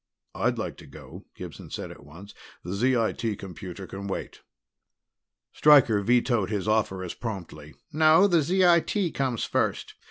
"I'd like to go," Gibson said at once. "The ZIT computer can wait." Stryker vetoed his offer as promptly. "No, the ZIT comes first.